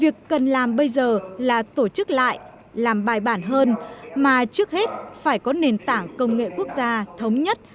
việc cần làm bây giờ là tổ chức lại làm bài bản hơn mà trước hết phải có nền tảng công nghệ quốc gia thống nhất